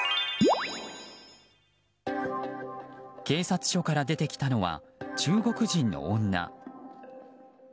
警察署から出てきたのは中国人の女。